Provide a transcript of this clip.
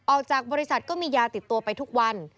ออกจากบริษัทก็มียาติดตัวไปทุกวัน